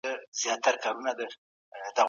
ایا نوي کروندګر وچ انار اخلي؟